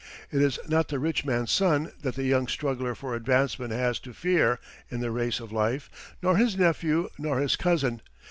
It is not the rich man's son that the young struggler for advancement has to fear in the race of life, nor his nephew, nor his cousin.